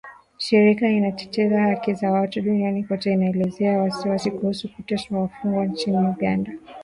shirika inatetea haki za watu duniani kote inaelezea wasiwasi kuhusu kuteswa wafungwa nchini Uganda